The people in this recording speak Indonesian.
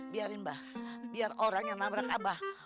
biarin mbah biar orang yang nabrak abah